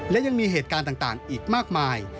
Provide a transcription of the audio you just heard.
และยังมีเหตุการณ์ต่างอีกมากมาย